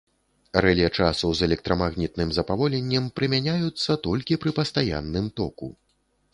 Рэле часу з электрамагнітным запаволеннем прымяняюцца толькі пры пастаянным току.